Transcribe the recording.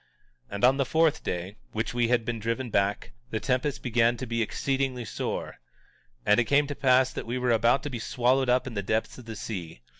18:14 And on the fourth day, which we had been driven back, the tempest began to be exceedingly sore. 18:15 And it came to pass that we were about to be swallowed up in the depths of the sea.